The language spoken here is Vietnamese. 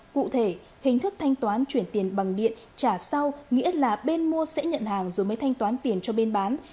cụ thể hình thức thanh toán chuyển tiền bằng điện trả sau nghĩa là bên mua sẽ nhận hàng rồi mới thanh toán tiền cho bên bán